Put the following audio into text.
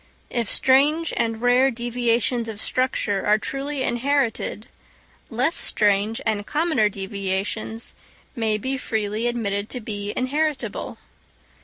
If strange and rare deviations of structure are truly inherited, less strange and commoner deviations may be freely admitted to be inheritable.